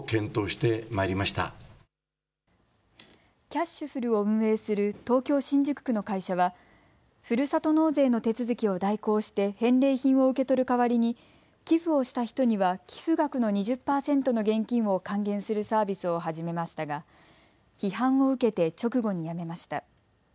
キャシュふるを運営する東京新宿区の会社はふるさと納税の手続きを代行して返礼品を受け取る代わりに寄付をした人には寄付額の２０％の現金を還元するサービスを始めましたが批判を受けて直後にやめました。